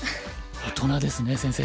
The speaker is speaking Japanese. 大人ですね先生。